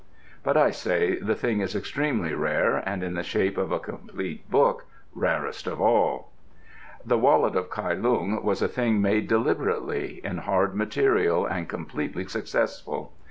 But, I say, the thing is extremely rare, and in the shape of a complete book rarest of all. The Wallet of Kai Lung was a thing made deliberately, in hard material and completely successful.